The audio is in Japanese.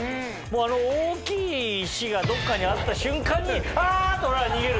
あの大きい石がどっかにあった瞬間にあ！って俺は逃げる。